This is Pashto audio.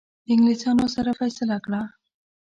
د انګلیسانو سره فیصله کړه.